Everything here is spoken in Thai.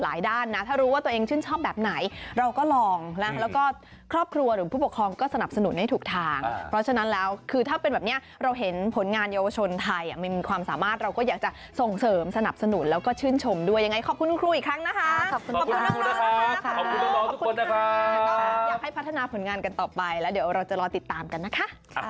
หลายด้านนะถ้ารู้ว่าตัวเองชื่นชอบแบบไหนเราก็ลองแล้วก็ครอบครัวหรือผู้ปกครองก็สนับสนุนให้ถูกทางเพราะฉะนั้นแล้วคือถ้าเป็นแบบเนี้ยเราเห็นผลงานเยาวชนไทยอ่ะไม่มีความสามารถเราก็อยากจะส่งเสริมสนับสนุนแล้วก็ชื่นชมด้วยยังไงขอบคุณครูครูอีกครั้งนะคะขอบคุณครับขอบคุณครับขอบคุณครับขอบคุ